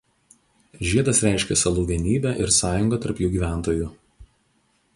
Žiedas reiškė salų vienybę ir sąjungą tarp jų gyventojų.